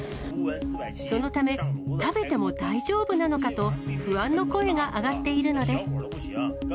そのため、食べても大丈夫なのかと、不安の声が上がっているのです。